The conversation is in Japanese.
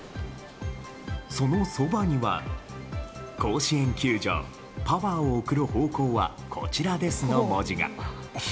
そのそばには「甲子園球場、パワーを送る方向はこちらです」の文字が。